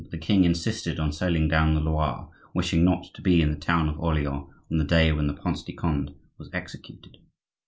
the king insisted on sailing down the Loire, wishing not to be in the town of Orleans on the day when the Prince de Conde was executed.